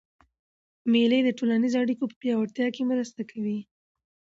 مېلې د ټولنیزو اړیکو په پیاوړتیا کښي مرسته کوي.